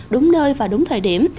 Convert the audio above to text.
đúng nơi và đúng thời điểm